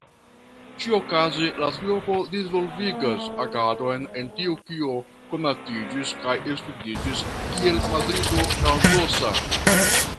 Ĉiuoakze la triopo disvolvigas agadon en tio kio konatiĝis kaj studiĝis kiel Madrido galdosa.